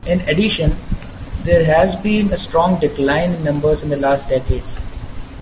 In addition, there has been a strong decline in numbers in the last decades.